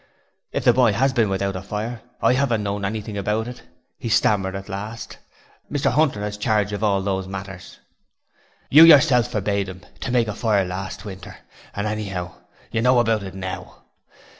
'If the boy has been there without a fire, I 'aven't known anything about it,' he stammered at last. 'Mr 'Unter has charge of all those matters.' 'You yourself forbade him to make a fire last winter and anyhow you know about it now.